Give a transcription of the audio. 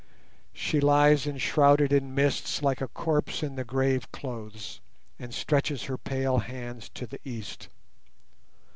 She lies enshrouded in mists like a corpse in the grave clothes, And stretches her pale hands to the East.